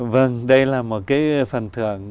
vâng đây là một cái phần thưởng